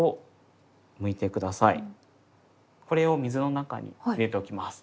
これを水の中に入れておきます。